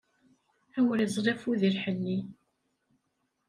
Awer iẓẓel afud i lḥenni!